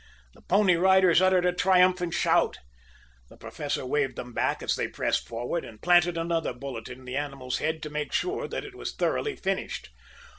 The Pony Riders uttered a triumphant shout. The Professor waved them back as they pressed forward, and planted another bullet in the animal's head to make sure that it was thoroughly finished.